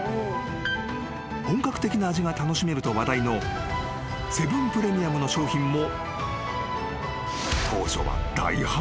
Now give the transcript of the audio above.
［本格的な味が楽しめると話題のセブンプレミアムの商品も］